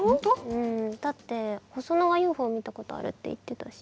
うんだってホソノがＵＦＯ見たことあるって言ってたし。